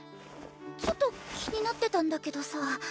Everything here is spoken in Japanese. ちょっと気になってたんだけどさ